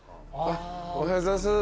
おはようございます。